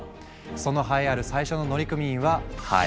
その栄えある最初の乗組員はハエ。